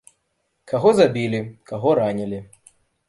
Каго забілі, каго ранілі.